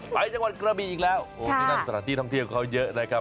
ไปจากวันกระบีอีกแล้วโอเคนะสถานที่ท่องเที่ยวของเราเยอะนะครับ